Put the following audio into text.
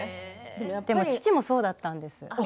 父もそうだったんです。